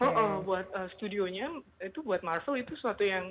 jadi buat studio nya itu buat marvel itu suatu yang